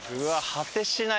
果てしない。